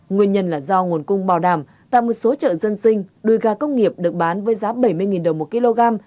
nguyên nhân là do nguồn cung bảo đảm tại một số chợ dân sinh đùi gà công nghiệp được bán với giá bảy mươi đồng một kg